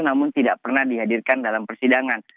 namun tidak pernah dihadirkan dalam persidangan